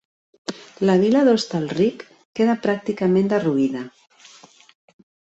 La vila d'Hostalric queda pràcticament derruïda.